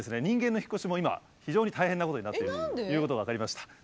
人間の引っ越しも今非常に大変なことになっているということが分かりました。